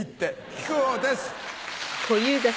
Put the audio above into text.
木久扇です！